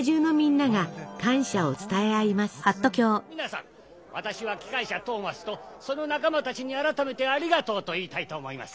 皆さん私は機関車トーマスとその仲間たちに改めて「ありがとう」と言いたいと思います。